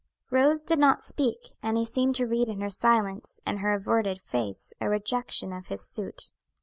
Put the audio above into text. Rose did not speak, and he seemed to read in her silence and her averted face a rejection of his suit.